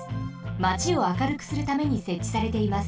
マチを明るくするためにせっちされています。